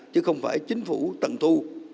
chứ không phải chính phủ trận thu